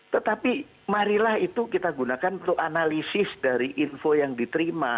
tetapi marilah itu kita gunakan untuk analisis dari info yang diterima